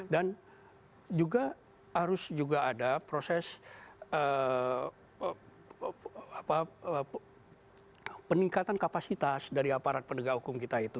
dan juga harus juga ada proses peningkatan kapasitas dari aparat pendegang hukum kita itu